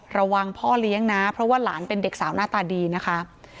ระวังพ่อเลี้ยงนะเพราะว่าหลานเป็นเด็กสาวหน้าตาดีนะคะ